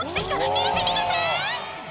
逃げて逃げて！